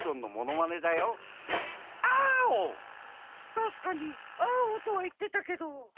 たしかに「アーオ」とは言ってたけど。